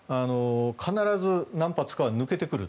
必ず何発かは抜けてくる。